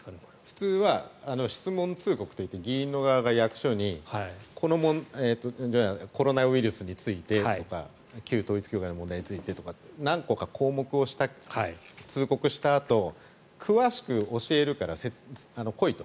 普通は、質問通告といって議員の側が役所にコロナウイルスについてとか旧統一教会の問題についてとか何個か項目を通告したあと詳しく教えるから来いと。